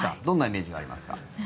どんなイメージがありますか？